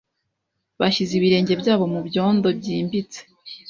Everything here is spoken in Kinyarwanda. Bashyize ibirenge byabo mu byondo byimbitse